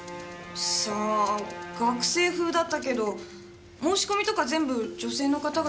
さあ学生ふうだったけど申し込みとか全部女性の方がやられてたので。